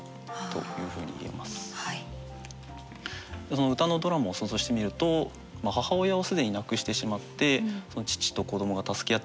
こちらを歌のドラマを想像してみると母親を既に亡くしてしまって父と子どもが助け合って暮らしてきた。